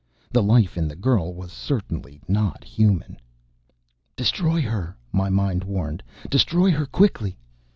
The life in the girl was certainly not human! "Destroy her!" my mind warned. "Destroy her! Quickly!"